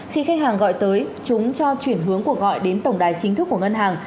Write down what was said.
khi khách hàng gọi tới chúng cho chuyển hướng cuộc gọi đến tổng đài chính thức của ngân hàng